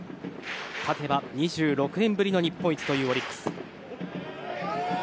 勝てば２６年ぶりの日本一というオリックス。